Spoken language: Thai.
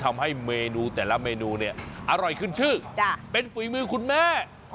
ทำให้เมนูแต่ละเมนูเนี่ยอร่อยขึ้นชื่อเป็นฝีมือคุณแม่